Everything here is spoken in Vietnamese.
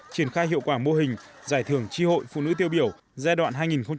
triển khai hiệu quả mô hình giải thưởng tri hội phụ nữ tiêu biểu giai đoạn hai nghìn tám hai nghìn một mươi tám